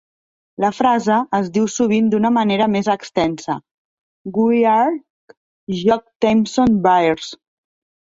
La frase es diu sovint d'una manera més extensa: "We're a' Jock Tamson's bairns".